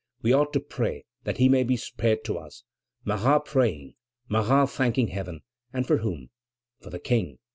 We ought to pray that he may be spared to us." Marat praying, Marat thanking Heaven! and for whom? For the King.